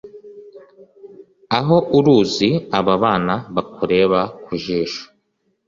Aho uruzi aba bana Bakureba ku jisho